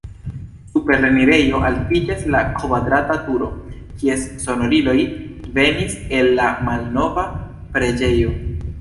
Super la enirejo altiĝas la kvadrata turo, kies sonoriloj venis el la malnova preĝejo.